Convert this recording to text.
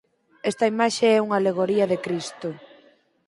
Esta imaxe é unha alegoría de Cristo.